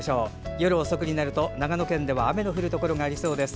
夜遅くになると、長野県では雨の降るところがありそうです。